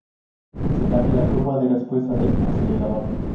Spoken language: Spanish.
Se cambia la curva de respuesta del acelerador.